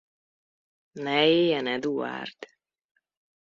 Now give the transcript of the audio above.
Ne éljen Eduárd?